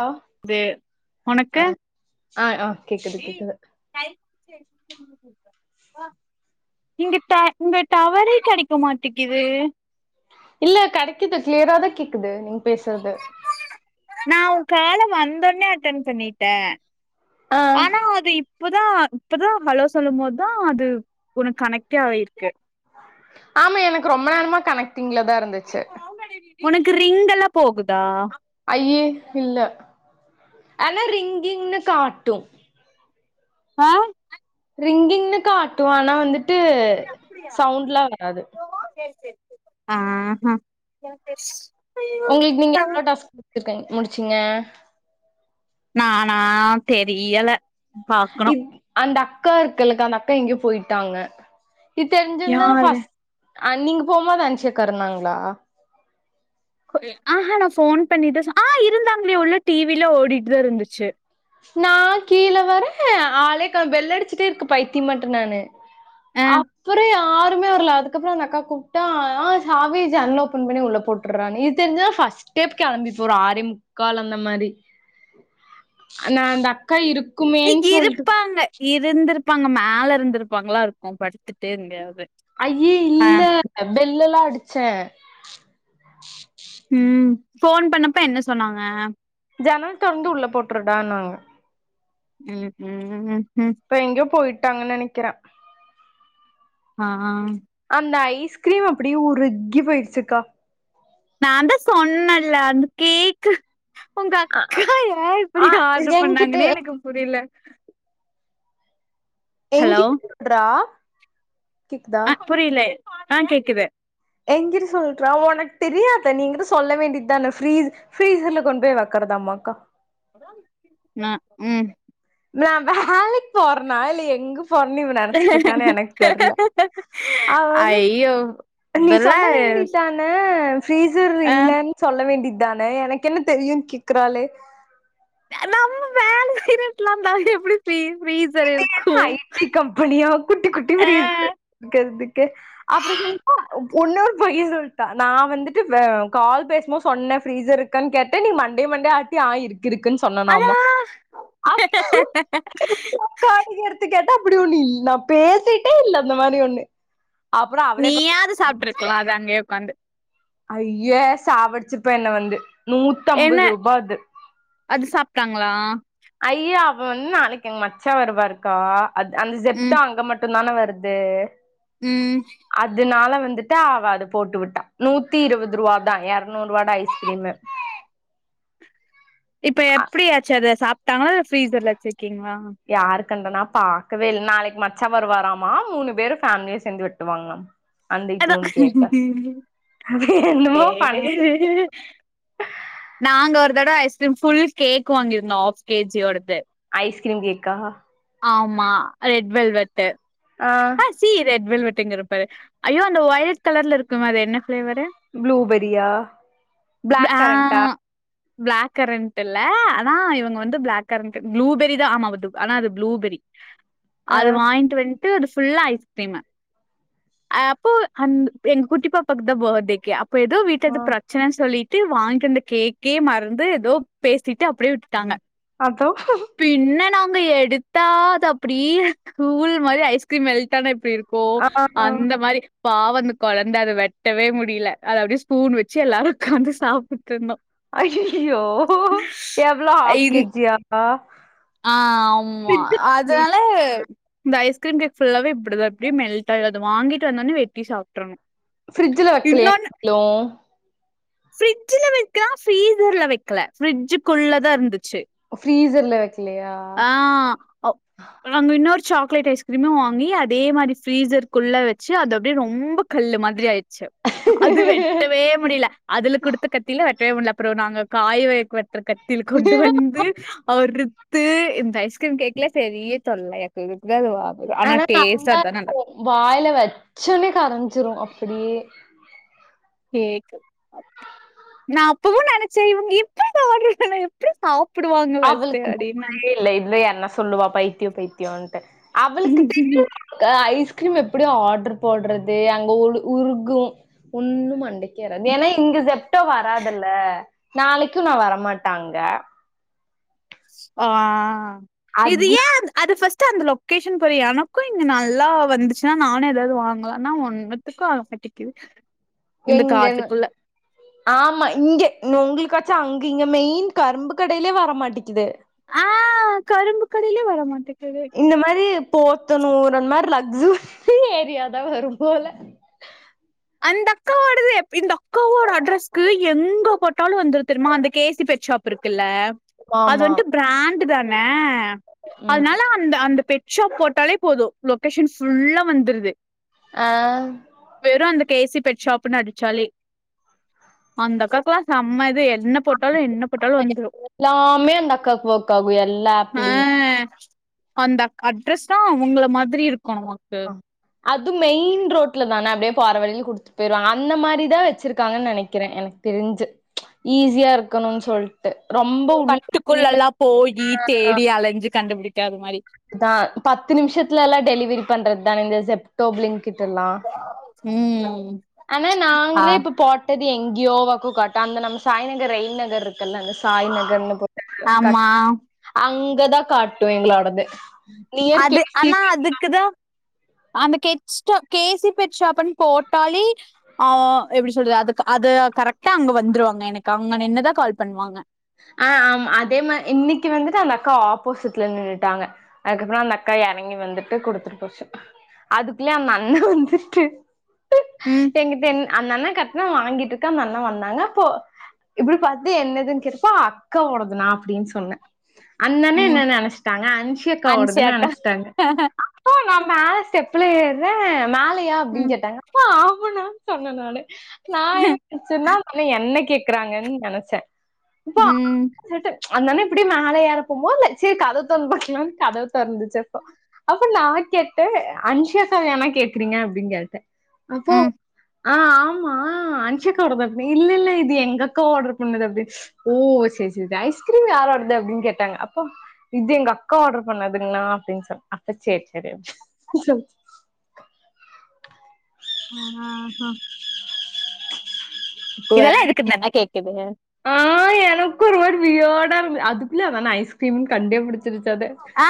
Hello தே உனக்கு ஆ ஆ கேக்குது கேக்குது இங்க ட இங்க டவரே கெடைக்க மாட்டிக்குது இல்ல கடைக்கிது கிளியராதா கேக்குது நீங் பேசுறது நா உ கால வந்தொன்னே அட்டன் பண்ணிட்ட ஆ ஆனா அது இப் இப்பதா இப்பதா ஹாலோ சொல்லும் போதா அது உனக் கணைக்டே ஆயிருக்கு ஆமா எனக்கு ரொம்ப நேரமா கணைக்ட் ஒர்க்கிங்லதா இருந்துச்சு உனக்கு ரிங் எல்லா போகுதா அய்யே இல்ல ஆனா ரிங்கிங்னு காட்டு ஆ ரிங்கிங்ன்னு காட்டு ஆனா வந்துட் ட்டு சவுண்டுல்லா வராது ஆஹா உங்களுக்கு நீங்க எவ்ளோ டாஸ்க் இருக்கங்க முடுச்சிங்க நானா தெரியல பாக்கணு இத் அந்த அக் அக்கா இருக்கலக்கா அந்த அக்கா எங்கயோ போயிட்டாங்க இது தெருஞ்சுருந்தாலு யாரு ஃபஸ்ட் அ நீங்க போம் போது அன்சியக்கா இருந்தாங்களா க்கு எ ஆஹா நா ஃபோன் பண்ணிதா சொ ஆ இருந்தாங்களே உள்ள டிவிலா ஓடிட்தா இருந்துச்சு நா கீழ வர ஆலே காண் பெல்லு அடுச்சுட்டே இருக்கு பைத்திய மாட்ட நானு ஆ அப்புறோ யார் யாருமே வர்ல அதுக்கப்புறோ அந்த அக்கா கூப்டா ஆ சாவி ஜன்னல் ஓப்பன் பண்ணி உள்ள போட்டுர்றான்னு இது தெருஞ்சா ஃபஸ்டே கெளம்பிப்ப ஒரு ஆரேம் முக்கால் அந்த மாரி நா அந்த அக்கா இருக் நீக் இருப்பாங்க இருந்திருப்பாங்க மேல இருந்திருப்பாங்கால இருக்கு படுத் அய்ய இல்ல பெல்லல்லா அடுச் ச்ச ம் ஃபோன் பண்ணப்ப என்ன சொன்னாங்க ஜனம் தொர்ந்து உள்ள போட்டுருடான்னாங்க ம் ம் இப்ப எங்கியே போய்ட் ட்டாங்கன்னு நெனைக்கிறே ஆ ஆ அந்த ஐஸ்கிரீம் அப்பிடியே உருகி போயிருச்சுக்கா நா தா சொன்னேல்ல அந்த கேக்கு உங்க அ அக்கா ஏ அ இப்பிடி ஆர்டர் என்கிட்ட பண்ணாங்கன்னே எனக்கு புரியல எங்கி [unintelligible] றா அ புரியல்லே ஆ கேக்குது எங்கிரு சொல்றா உனக்கு தெரியாத நீங்கதா சொல்ல வேண்டியதான ஃப்ரீஸ் ஃப்ரீசர்ல கொண்டு போய் வைக்கறதாம்மா அக்கா நா ம் நா வேலைக் போறனா இல்ல எங்க போறன்னு இவ நெனச்சிட்டு இருக்கான்னு எனக்கு தெர்ல அவ வந்து ஐயோ நீ இதெல்லா சொல்ல வேண்டிதான ஃப்ரீஸர் ஆ இல்லன் சொல்ல வேண்டி தான எனக்கு என்ன தெரியு கேக்றாளே நம்ம வேல செய்ற இது என்ன ஐட்டி கம்பெனியா குட்டி குட்டி ஆ ஃப்ரிஸர் இருக்கறதுக்கு அப்புறோ சொல்ல உன்னொரு பைய சொல்ட்டா நா வந்துட்டு வே கால் பேசுபோது சொன்ன ஃபிரீஸர் இருக்கணு கேட்டே ஆ நீ மண்டைய மண்டைய ஆட்டி ஆ இருக் அதா [inaudible] அப்போ உக்காந்து எடுத்து கேட்டா அப்பிடி ஒண்ணு இல் நா பேசிட்டே இல்ல அந்த மாரி ஒண்ணு அப்றோ அவளே நீயாது சாப்ட்டுருக்லா அத அங்கயே ஒகாந்து ஐய்ய சாவடிச்சிருப்ப என்ன வந்து என்ன நூத்தம்பது ரூபா அது அது சாப்டாங்ளா ஐய்யா அவ வன் நாளைக் எங் மச்சா வருவாருங்க்கா அது அந்த ஜெப்டா ம் அங்க மட்டு தான வருது அது ம் அதுனால வ ந்துட்டு அவ அத போட்டுவிட்டா நூத்திஇருவதுருவா தா எரநூறுவாட ஐஸ்கிரீமு இப்ப எப்டியாச்சு அத சாப்டாங்களா இல்ல ஃப்ரீஸர்ல வச்சிருக்கீங்ளா? கங்க நா பாக்கவேல்ல நாளைக்கு மச்சா வருவாராமா மூணு பேரு ஃபேமிலியா சேந்து வெட்டுவாங்ளாமா அதா அது ஏ என்னமோ பண்ணு [unintelligible] நாங்க ஒரு தடவ ஐஸ்கிரீம் ஃபுல் கேக் வாங்கிருந்தோ ஆஃப் கே ஜி யோடது ஐஸ்கிரீம் கேக்கா? ஆமா ரெட் வெல்வெட்டு ஆ சி ரெட் வெல்வெட் டுங்குற பாரு ஐயோ அந்த வய்லட் கலர்ல இருக்குமே அது என்ன ஃபிளேவரு ப்ளூபெரியா பிளாக் ஆ கரண்ட் அ பிளாக் கரண்ட்டில்ல அனா இவுங்க வந்து பிளாக் கரண்ட்டு ப்ளூபெரி தா ஆமாவது ஆனா அது ப்ளூபெரி ஆ அத வாங்கிட்டு வன் ட்டு அது ஃபுல்லா ஐஸ்கிரீமு அப்போ அந் எங்க குட்டி பாப்பாக்கு தா ப டேக்கி அப் ப எதோ வீட்ல ஆ எதோ ப்ரச்சன சொல்லி ட்டு வாங்கிட்டு வந்த கேக்கே மறந்து எதோ பேசிட்டு அப்டியே விட்டுட்டாங்க அப்றொ போய் எடுத்தா அது அப்டீ கூழ் மாரி ஐஸ்கிரீம் மெல்டான எப்டிரு க்கு ஆ அந்த மாரி பாவந்த கொழந்த அத வெட்டவே முடில அத அப்டியே ஸ்பூன் வச்சு எல்லாரு உக்காந்து சாப்புட்ருந்தோ அய்யயோ எவ்ளொ ஹாஃப் இந் கே ஜி யா ஆ ஆமா கீரிம் கேக் ஃபுல்லாவே இப்பிடிதா எப்டி மெல்ட்டாயி அது வாங்கிட்டு வந்தோனே வெட்டி சாப்ட்றனு ஃப்ரிட்ஜில வக்கலயா [unintelligible] ஃபிரிட்ஜில வ ச்சா ஃப்ரீசர்ல வக்கல ஃப்ரிட்ஜுக்குள்ளதா இருந்து ச்சு ஃப்ரீசர்ல வைக்கலையா ஆ ஒ நாங்க இன்னொரு சாக்லேட் ஐஸ்கிரீம வாங்கி அதே மாரி ஃப்ரீசர்குள்ள வச்சு அது அப்டியே ரொம்ப கல்லு மாதிரி ஆயி ச்சு அது வெட்டவே முடில அதுல குடுத்த கத்தில ‌வெ ட்டவே முடில அப்றொ நாங்க காய் வை‌க் வெட் ற கத்தில கொண்டு வந்து அறு த்து இந்த ஐஸ் க்ரீம் கேக்ல செரிய தொல்லையாக்கு அது வா ஆனா டேஸ்ட்டா தான் நல்லா ரொம்பஇருக்கு வாய்ல வச்சோனே கரஞ்சிரு அப்புடியே கேக்கு நா அப்பவு நெனச்சே இவுங்க எப்டி இத ஆட்ரு பண்ணாங்க எப்டி சாப் அவளுக்கு மூளையே இல்ல இதுல என்ன சொல்லுவா பைத்தியொ பைத்தியோன்ட்டு அவளுக்கு தெரியு நெனச்சேன். [inaudible] ஐஸ் கிரீம் எப்பிடி ஆட்ரு போட்றது அங்க உளு உருகு ஒன்னு மண்டை கேறா ஏனா‌ இங்க ஜெப்டோ வராதுல்ல நாளைக்கு நா வரமாட்ட அங்க ஆ இது அத் ஏ அது ஃபஸ் ட்டு அந்த லொக்கேஷன் பாரு எனக்கு இங்க நல்லா வந்துச்சுனா நானு எதாவ்து வாங்கலானா ஒன்னுத்துக்கு ஆக மாட்டிக்கிது எங்கன்னு ஆமா இங்க இங்க உங்ளுக் காச்சு அங்க இங்க மெயின் கரும்பு கடைலே வர மாட்டெக்கிது மாட்டெ இந்த மாரி தோத்தனூரு மாரி லக்ஸுரி ஏரியாதா வரும் போல அந்தக்கா ஓடது எப் இந்தக்காவோட அட்ரஸ்க்கு எங்க போட்டாலு வந்துரு தெரிமா அந்த கே சி பெட் ஷாப் இருக்குல்ல அது ஆமா வன்ட்டு பிராண்டுதா ன ம் அதுனால அந்த அந்த பெட் ஷாப் போட்டாலே போது லொக்கேஷன் ஃபுல்லா வந்துருது ஆ வெறு அந்த கே சி பெட் ஷாப்புன் அடுச்சாலே அந்தக்காக்லா செம்ம இது எ எல்லாமே அந்த அக்காக்கு ஒர்க் ஆகு எல்லா ஆ ஆப்பிலயு அந்த அக் அட்ரஸ் தா உங்கள மாதிரி இருக்கு நமக்கு அது மெயின் ரோட்ல தான அப்டியே போற வழில குடுத்துட்டு போயிருவாங்க அந்த மாரி தா வச்சிருக்காங்கன்னு நெனக்குறே எனக்கு தெரிஞ்சு ஈஸியா இருக்கணும்னு சொல்லி பட்டுக்குள்ளெல்லா போயி தேடி அலஞ்சு கண்டுபிடி அது மாரி நா பத்து நிமிஷத்தல்லா டெலிவரி பண்றது தான இந்த செப் கப்லிங் கிட்டல்லா ம் ஆனா ஆ நாங்களே இப்ப போட்டது எங்கேயோ வாக்கு காட்ட அந்த நம்ம சாய்நகர் ரெயின் நகர் இருக்கு குல அங்க சாய் நகர்னு போட்டாங்க கட் ஆமா அங்க இததா காட்டு எங்களோடது நியர் அது கே சி ஆனா அதுக்குதா அந்த கெட் ஸ்டோர் கேசி பெட் ஷாப்ன்னு போட்டாலே அ எப்டி சொல்றது அதுக்கு அது கரெக்டா அங்க வந்துருவாங்க எனக்கு அங்க நின்னுதா கால் பண்ணுவாங்க ஆ ஆ அதே மாரி இன்னைக்கு வந்துட்டு அந்த அக்கா ஆப்போசிட்ல நின்னுட்டாங்க அதுக்கப்றோ அந்த அக்கா எறங்கி வந்துட்டு குடுத்துட்டு போச்சு அதுக்குள்ள அந்த அண்ண வந்துட்டு ம் எங்க தெ அந்த அண்ண கட்னா வாங்கிட்டுதா அந்த அண்ண வந்தாங்க இப்போ இப்டி பாத்து என்னதுன்னு கே அப்பா அக்கா ஓடதுனா அப்டின்னு சொன்னே அந்தன்னே ம் என்னன்னு நெனச்சுட்டாங்க அன்சிய அக்கா அன்சி ஓடதுன்னு அக்கா நெனச்சுட்டாங்க அப்போ நா மேல ள்ள ஏறே மேல ல்லைய அப்டின்னு ம் கேட்டாங்க ஆ போடா சொன்ன நானு நா என்னச்சுன்னா ந என்ன கேட் க்கறாங்கன்னு நெனச்சே உம் அந்தன்ன இப்டி மேல ஏற போம்போது சரி கதவ திறந்துபக்கலாம்னு கதவ தொறந்துச்சுப்போ அப்ப நா கேட்டே அன்சியா அக்காவயானா கேக்குறீங்க அப்டின்னு கேட்டே அப்போ ம் ஆ ஆமா அன்ஷியாக்க வருது அப்டி இல்ல இல்ல இது எங்க அக்கா ஆர்டர் பண்ணது அப்டி ஓ செரி செரி ஐஸ்கிரீம் யாரோடது அப்டின்னு கேட்டாங்க அப்போ இது எங்க அக்கா ஆர்டர் பண்ணதுங்னா அப்டின்னு சொ அப்ப சேரி சேரி ஆ ஆ ஹ இப்ப வேற தான கேக்குது ஆ எனக்கு ஒரு ஒரு வியோடா இரு அது இல்ல நா ஐஸ்க்கீரிம் கண்டேப்பிடி ஆ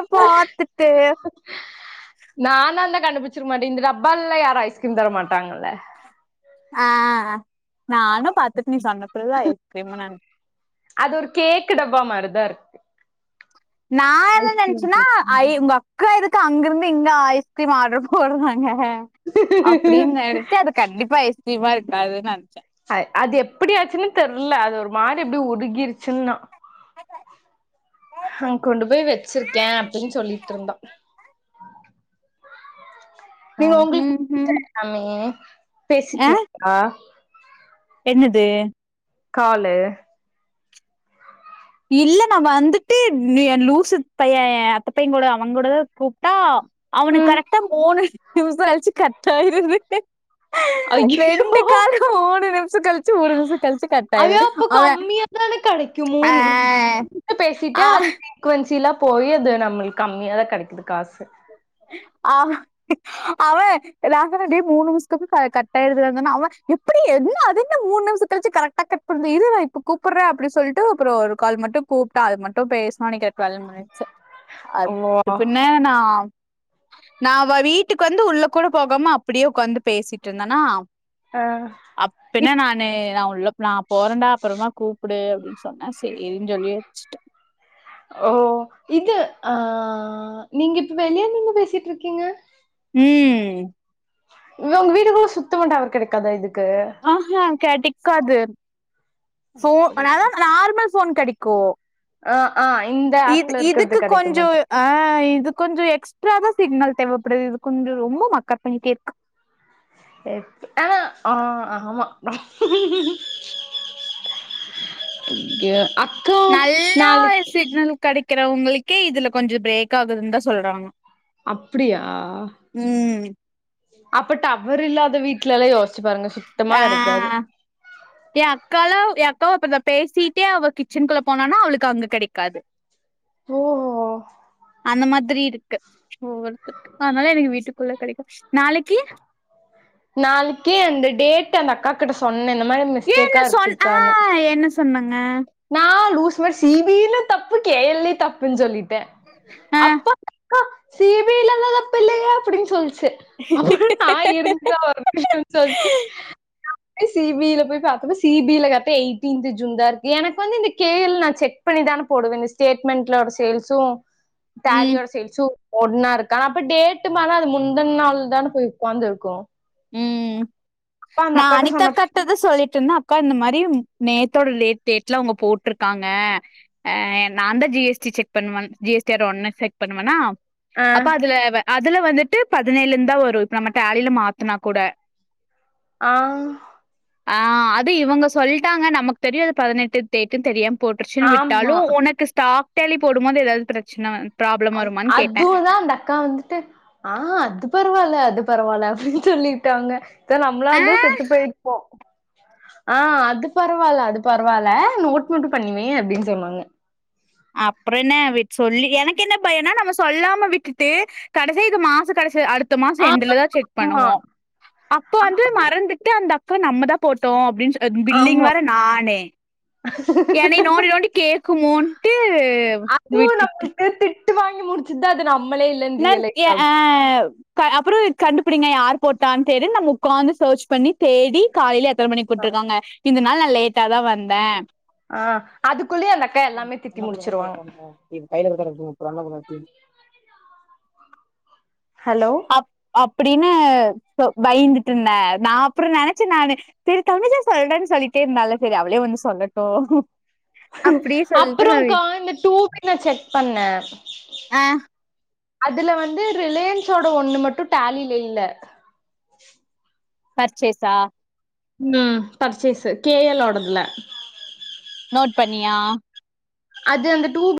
இப்போ ஆத்துட்டு நானாயிந்தா கண்டுபுச்சிருக்க மாட்டே இந்த டப்பால எல்லா யாரும் ஐஸ்கிரீம் தர மாட்டாங்கல்ல ஆ நானு பாத்துட்டு நீ சொன்னப்பறந்தான் ஐஸ்கிரீமுன் நென் அது ஒரு கேக் டப்பா [inaudible] நா என்ன ஐஸ்கிரீம் நினைச்சன்னா கேக் ஐ உங்க அக்கா இருக் க அங்க இந்துங்க ஐஸ்கிரீம் ஆடரு போடவோன் அப்டின்னு நெனைச்சு அது கண்டிப்பா ஐஸ் கீரிமா இருக்காதுன் நெனச்சேன் அ அது எப்படியாச்சுன்னு தெர்ல அது ஒரு மாரி அப்டி உருகிருச்சுன்னா அ கொண்டு போய் வச்சிருக்கேன் அப்டின் சொல்லிட்டு இருந்தா நீங்க உங்களுக்கு ம் ம் புடிச்ச சாமி ஆ பேசிடீங்ளா என்னது காலு இல்ல நா வந்துட்டு நீ லூசு பையன் ஏ அத்த பையன் கூட அவங்க கூடதா கூப்புட்டா அவனுக்கு ம் கரக்டா முணு நியூஸ் வாலிச்சு கட்டாயிருது ஐயையோ! ரெண்டு காலு மூணு நிமிஷம் கழிச்சு ஒரு நிமிஷம் கழிச்சு கட் ஆயிடுது அவே மூணுல பேசிட்டு [unintelligible] சிக்வன்சீல போய் அது நம்மளுக்கு கம்மியா தா கெடைக்கிது காசு ஹ அவன் நா சொன்னே டேய் மூணு நிமிஷத்துக்கு கட் ஆயிருது இருந்தானா அவன் எப்டி என்ன அது என்ன மூணு நிமிஷத்து கழிச்சு கரக்டா கட்பணறது இரு நா இப்ப கூப்புடுறேன் அப்டின்னு சொல்லிட்டு அப்புறம் ஒரு கால் மட்டும் கூப்புட்டா அது மட்டும் பேஸ்னோ அன்னைக்கி டுவெல்வ மினிட்ஸ் ஓ! அது பின்ன நா நா வ வீட்டுக்கு வந்து உள்ள கூட போகாம அப்புடியே உக்காந்து பேசிட்டு இருந்தேனா ஆ. அப்பின்னா இப் நானு நா உள்ள நா போறண்டா அப்புறமா கூப்புடு அப்டின் சொன்னேஸ் இருன் சொல்லி வச்சுடேன் ஓ! இது ஆ நீங்க இப்ப வெளிய நின்னு பேசிட்டு இருக்கீங்க ம் வ உங்க வீடு குள்ள சுத்தமா டவர் கெடைக்காத இது க்க கெடைக்காது சோ அப்படியா? அதனாலதா நார்மல் ஃபோன் கெடைக்கு ஆ ஆ இந்த இது ஆப்ல இருக்கறது இதுக்கு கெடைக்க கொஞ்சோ மாட்டேங்குது. ஆ இது கொஞ்ச எக்ஸ் ட்ராவா சிக்னல் தேவைப்படுது இது கொஞ்சொ ரொம்ப மக்கர் பண்ணிட்டே இருக்கு எப்- ஆனா ஆ [inaudible] க நல்லா சிக்னல் கெடை க்குறவங்களுக்கே இதுல கொஞ்சோ பிரேக் ஆகுதுன்னுதா சொல்றாங்க. அப்டியா ம் அப்ப டவர் இல்லாத வீட்ல எல்லா யோ ஆ யேன் அக்காளு யக் காவு அப்படிதா பேசிட்டே அவ கிச்சனுக்குள்ள போனானா அவளுக்கு அங்க கெடைக்காது ஓஹோ அந்த மாதிரி இருக்கு ஒவ்வொரு எடத்துக்கு அதனால எனக்கு வீட்டு க்குள்ள கெடைக்கு நாளைக்கி நாளைக்கி அந்த டேட்டு அந்த அக்காகிட்ட சொன் னே இந்த மாரி மிஸ்டேக்கா இருக்குக்கான்னு சொன்னாங்க நான் லூஸு மாரி சி பி லு தப்பு கே எல் லயு தப்புன்னு சொல்லி ட்டே ஆ அப்ப க்கா சி பி ல எது தப்பு இல்லயே அப்பிடின்னு சொல்லுச் சு அப்புறோ நா இருங்க்கா வரே [inaudible] சொல்ட்டு அ சி பி ல போய் பாத்தம்னா சி பி ல கரெக்டா எயிட்டீன்த் ஜூன்தா இருக் எனக்கு வந்து இந்த கே எல் நா செக் பண்ணிதான போடுவ இந்த ஸ்டேட்மெண்ட்ல உள்ள சேல்ஸு ம் டேலியோட சேல்ஸு ஒன்னா இருக்கு ஆனா அப்ப டேட்டு மாறுனா அது முந்தன நாள்தான போய் உக்காந்திருக்கு ம் நா அனிதா சொன்னப் அக்காட்டதா சொல்லிட்ருந்தே அக்கா இந்த மாரி ப்டி நேத்தோட டேட் டேட்ல அவங்க போட்ருக்காங்க ஆ நான்தா ஜி எஸ் டி செக் பண்ணுவன் ஜி எஸ் டி லா ஒண்ணா செக் பண்ணுவனா ஆ அப்ப அதுல இதுல வந்துட்டு பதினேழுன்னு தான் வரும் இப்ப நம்ம டேலில மா த்துனா கூட ஆ ஆ அது இவங்க சொல்லிட்டாங்க நமக்கு தெரியும் அது பதினெட்டு டேக்குன்னு தெரியா போட்டுருச்சுன்னு விட்டாலும் ஆமா உனக்கு ஸ்டாக் தேளிபோடும் போது ஏதாவது பிரச்சனை வ அதுவும் தான் அந்த அக்கா வந்துட்டு ஆ அது பரவாயில்ல அது பரவாயில்ல அப்படின்னு சொல்லிட்டாங்க து நம்மளா ஆ இருந்தா செத்து போயிருப்போம் ஆ அது பரவாயில்ல அது பரவாயில்ல நோட் மட்டும் பண்ணி வை அப்படின்னு சொல்லுவாங்க அப்புறம் என்ன சொல்லி எனக்கு என்ன பயனா நம்ம சொல்லாம விட்டுட்டு கடைசி இது மாச கடைசி அடு த்த ஆ மாசம் எண்டுல தான் செக் ஆமா பண்ணுவோம் அப்ப வந்து மறந்துட்டு அந்த கு நம்ம தான் போட்டோம் அப்படின்னு சொ அ பில்லிங் ஆமா வேற நானே என்னை நோண்டி நோண்டி கேட்குமோன்னு அதுவும் நம்மளுக்கு [unintelligible] விட்டு வாங்கி முடிச்சுட்டு தான் அது நா நான் அ அப்புறம் கண்டுபிடிங்க யார் போட்டான்னு தேடி நம்ம உட்காந்து சர்ச் பண்ணி தேடி காலையில ஃபோன் பண்ணி கூப்ட்டுருக்காங்க இந்த நாள் நான் லேட்டா தான் வந் தேன் ஆ அது ம் அண்ணா கூட கடைசி வரைக்கும் வரனுமா கையில குடுத்தா [unintelligible] இரு அண்ணா கூட ம் ஹலோ அப்படின்னு பயந்துட்டு இருந்தேன் நான் அப்புறம் நனைச்சு நான்னு சரி தங்கச்சி சொல்றேன்னு சொல்லிட்டே இருந்தாள சரி அவளே வந்து சொல்லட்டும் அப்படியே சொல்லிட்டு நான் அப்புறோம்க்கா இந்த டூக்கன செக் பண்ணேன் ஆ அதுல வந்து ரிலையன்ஸோட ஒன்னு மட்டும் டேலில இல்ல பர்ச்சேஸ்ஸா ம் பர்ச்சேஸ் கேயல் ஓடதுல பண்ணியா அது அந்த டூ